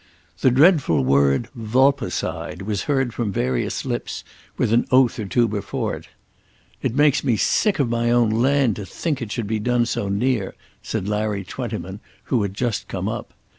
The dreadful word "vulpecide" was heard from various lips with an oath or two before it. "It makes me sick of my own land, to think it should be done so near," said Larry Twentyman, who had just come up.